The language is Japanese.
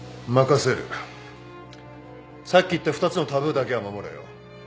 さっき言った２つのタブーだけは守れよ。